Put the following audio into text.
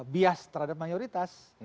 bias terhadap mayoritas